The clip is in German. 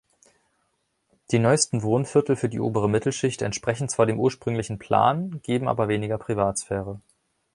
Die neuesten Wohnviertel für die obere Mittelschicht entsprechen zwar dem ursprünglichen Plan, geben aber weniger Privatsphäre.